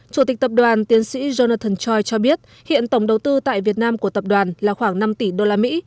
chủ tịch tập đoàn tiến sĩ jonathan choi cho biết hiện tổng đầu tư tại việt nam của tập đoàn là khoảng năm tỷ usd